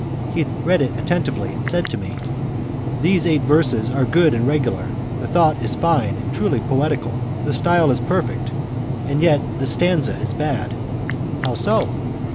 He read it attentively, and said to me, "These eight verses are good and regular, the thought is fine and truly poetical, the style is perfect, and yet the stanza is bad." "How so?"